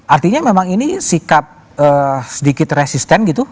artinya memang ini sikap sedikit resisten gitu